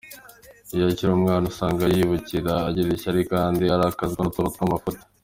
Iyo akiri umwana, usaga yikubira, agira ishyari kandi arakazwa n’utuntu tw’amafuti.